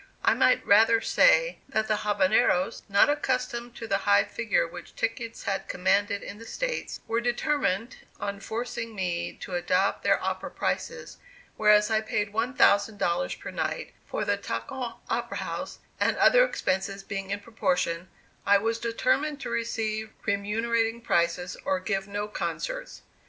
I might rather say that the Habaneros, not accustomed to the high figure which tickets had commanded in the States, were determined on forcing me to adopt their opera prices, whereas I paid one thousand dollars per night for the Tacon Opera House, and other expenses being in proportion, I was determined to receive remunerating prices, or give no concerts.